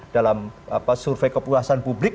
dalam survei kepuasan publik